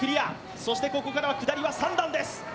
そしてここからは下りは３段です。